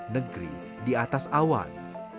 negeri di atas awan